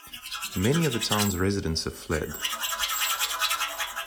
Many of the town's residents have fled.